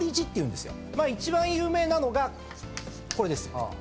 まあ一番有名なのがこれですよね。